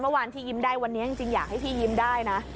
เมื่อวานที่ยิ้มได้วันนี้จริงอยากให้พี่ยิ้มได้นะ